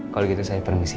kalau gitu saya permisi